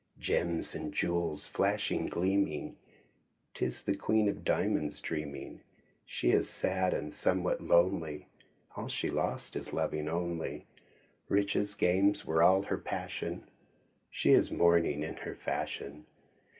Gems and jewels flashing, gleaming. She is sad and somewhat lonely. All she lost in loving only Riches, games were all her passion. She is mourning in her fashion.